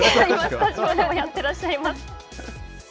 スタジオでもやってらっしゃいます。